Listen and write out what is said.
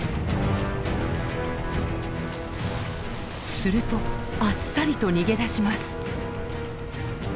するとあっさりと逃げ出します。